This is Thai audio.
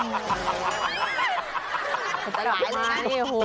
มันจะหลายเลย